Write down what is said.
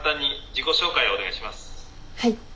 はい。